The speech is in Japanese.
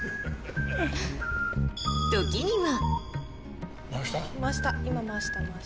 時には。